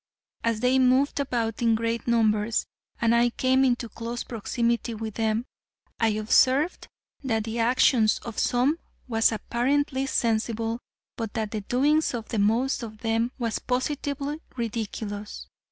As they moved about in great numbers and I came into close proximity with them, I observed that the actions of some was apparently sensible but that the doings of the most of them was positively ridiculous.